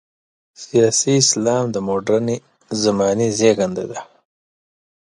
سیاسي اسلام د مډرنې زمانې زېږنده ده.